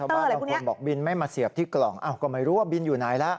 บ้านบางคนบอกบินไม่มาเสียบที่กล่องก็ไม่รู้ว่าบินอยู่ไหนแล้ว